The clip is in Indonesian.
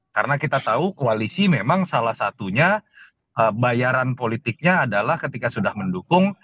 karena kita tahu koalisi memang salah satunya bayaran politiknya adalah ketika sudah mendukung